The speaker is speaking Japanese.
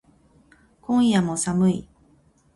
今夜も寒い